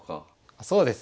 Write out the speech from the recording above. そうですね。